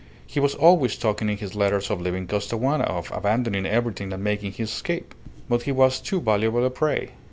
He was always talking in his letters of leaving Costaguana, of abandoning everything and making his escape. But he was too valuable a prey.